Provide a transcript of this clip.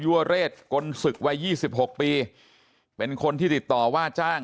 ยั่วเรศกนศึกวัย๒๖ปีเป็นคนที่ติดต่อว่าจ้าง